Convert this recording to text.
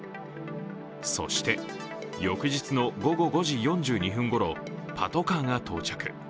そして、翌日の午後５時４２分ごろパトカーが到着。